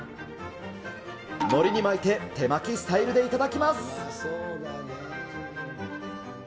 のりに巻いて手巻きスタイルで頂きます。